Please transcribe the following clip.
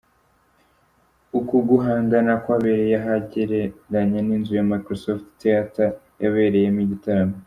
Uku guhangana kwabereye ahegeranye n’inzu ya Microsoft Theater yabereyemo igitaramo.